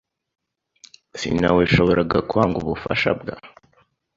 Sinaweshoboraga kwanga ubufasha bwa .